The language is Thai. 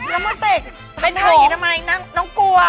ลามอสเตคทำดูแบบนี้ทำไมน้องกลัว